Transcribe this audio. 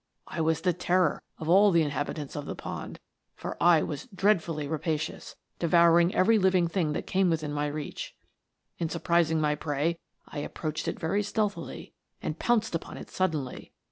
I was the terror of all the inhabitants of the pond, for T was dreadfully L 2 148 METAMORPHOSES. rapacious, devouring every living thing that came within my reach. In surprising my prey, I ap proached it very stealthily, and pounced upon it suddenly.